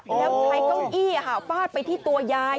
แล้วใช้กล้องอี้หาวปลาดไปที่ตัวยาย